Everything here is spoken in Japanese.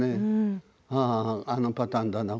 ああ、あのパターンだな